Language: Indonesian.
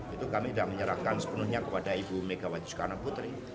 itu kami sudah menyerahkan sepenuhnya kepada ibu megawati soekarno putri